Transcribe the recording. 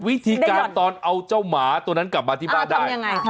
วิธีการตอนเอาเจ้าหมาตัวนั้นกลับมาที่บ้านได้ยังไงคะ